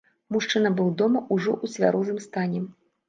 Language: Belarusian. Мужчына быў дома, ужо ў цвярозым стане.